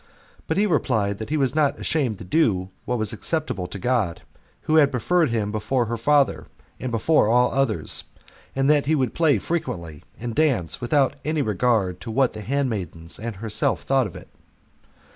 But he replied, that he was not ashamed to do what was acceptable to God, who had preferred him before her father, and before all others; that he would play frequently, and dance, without any regard to what the handmaidens and she herself thought of it.